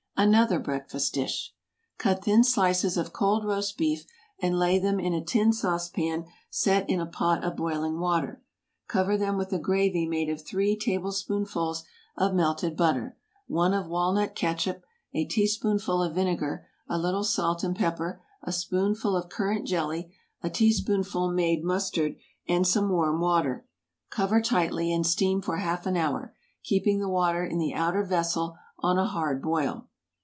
ANOTHER BREAKFAST DISH. Cut thin slices of cold roast beef, and lay them in a tin saucepan set in a pot of boiling water. Cover them with a gravy made of three tablespoonfuls of melted butter, one of walnut catsup, a teaspoonful of vinegar, a little salt and pepper, a spoonful of currant jelly, a teaspoonful made mustard, and some warm water. Cover tightly, and steam for half an hour, keeping the water in the outer vessel on a hard boil.